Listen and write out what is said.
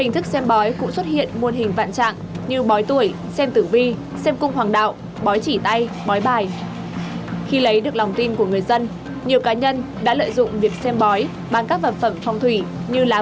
tuy nhiên chúng ta lại lợi dụng vào cái chuyện là có hành vi như vậy